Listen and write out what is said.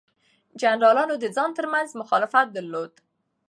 جنرالانو د ځان ترمنځ مخالفت درلود.